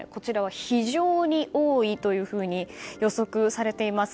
非常に多いと予測されています。